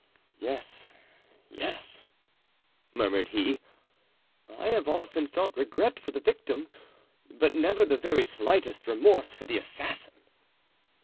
Yes, yes," murmured he, "I have often felt regret for the victim, but never the very slightest remorse for the assassin."